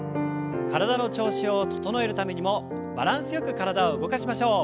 体の調子を整えるためにもバランスよく体を動かしましょう。